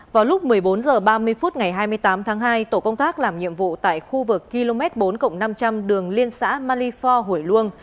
vào lúc một mươi bốn h ba mươi phút ngày hai mươi tám tháng hai tổ công tác làm nhiệm vụ tại khu vực km bốn năm trăm linh đường liên xã malifor hủy luông